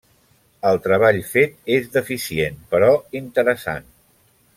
El treball fet és deficient però interessant.